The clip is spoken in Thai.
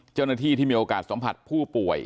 เจ้าหน้าที่ที่มีโอกาสสัมผัสผู้ป่วย